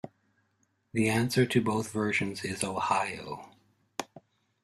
The answer to both versions is 'Ohio'.